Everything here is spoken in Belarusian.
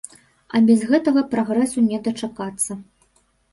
А без гэтага прагрэсу не дачакацца.